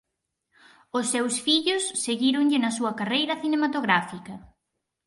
Os seus fillos seguíronlle na súa carreira cinematográfica.